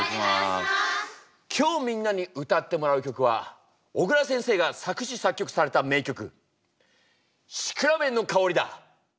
今日みんなに歌ってもらう曲は小椋先生が作詞作曲された名曲「シクラメンのかほり」だ。